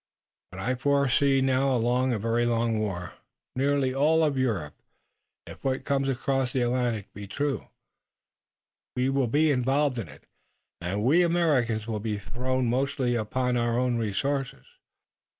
But I foresee now a long, a very long war. Nearly all of Europe, if what comes across the Atlantic be true, will be involved in it, and we Americans will be thrown mostly upon our own resources.